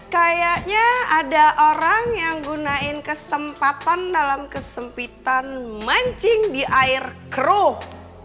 kayaknya ada orang yang gunain kesempatan dalam kesempitan mancing di air keruh